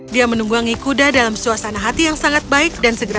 dia menunggangi kuda dalam suasana hati yang sangat baik dan segera